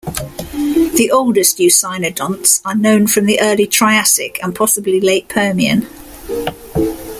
The oldest eucynodonts are known from the Early Triassic and possibly Late Permian.